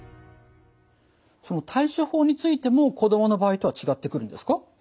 その対処法についても子どもの場合とは違ってくるんですか？